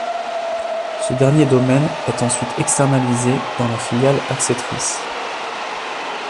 Ce dernier domaine est ensuite externalisé dans la filiale Axetris.